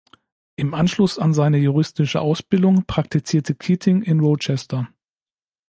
Im Anschluss an seine juristische Ausbildung praktizierte Keating in Rochester.